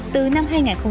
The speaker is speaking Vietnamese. từ năm hai nghìn hai mươi